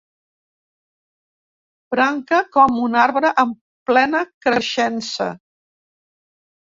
Branca com un arbre en plena creixença.